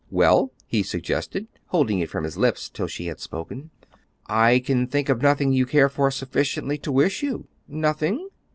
"Well?" he suggested, holding it from his lips till she had spoken. "I can think of nothing you care for sufficiently to wish you." "Nothing?"